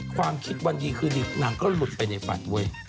ความคิดวันดีคือดีหนังก็หลุดไปในฝัน